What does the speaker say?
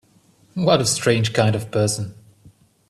What a strange kind of person!